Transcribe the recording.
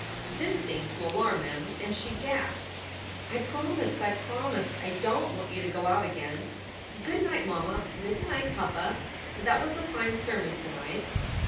This seemed to alarm Mem, and she gasped: " I promise. I promise ! I don t want you to go out again. Good night, mamma. Good night, papa. That was a fine sermon to night."